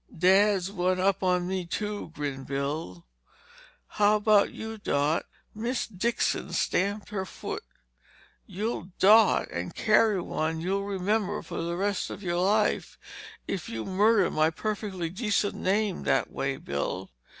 "Dad's one up on me, too," grinned Bill. "How about you, Dot?" Miss Dixon stamped her foot. "You'll dot, and carry one you'll remember for the rest of your life if you murder my perfectly decent name that way, Bill!